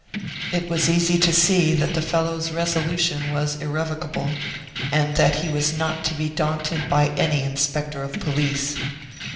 It was easy to see that the fellow's resolution was irrevocable; and that he was not to be daunted by any inspector of police.